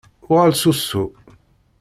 Uɣal s usu!